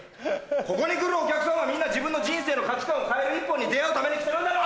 ここに来るお客さんはみんな自分の人生の価値観を変える一歩に出合うために来てるんだろ！